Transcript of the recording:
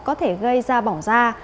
có thể gây ra bỏng da